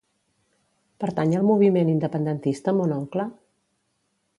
Pertany al moviment independentista mon oncle?